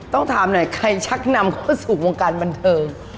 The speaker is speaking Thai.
ต้องถามหน่อยใครชักนำเข้าสู่วงการบันเทิง